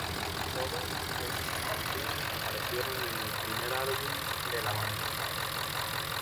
Todas esas canciones aparecieron en el primer álbum de la banda.